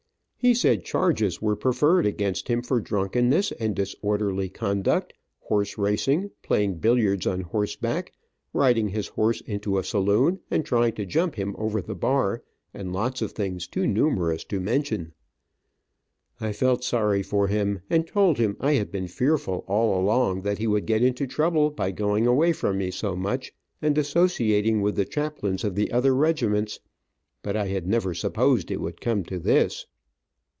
He said charges were preferred against him for drunkenness and disorderly conduct, horse racing, playing billiards on horse back, riding his horse into a saloon and trying to jump him over the bar, and lots of things too numerous to mention. I felt sorry for him, and told him I had been fearful all along that he would get into trouble by going away from me so much, and associating with the chaplains of the other regiments, but I had never supposed it would come to this.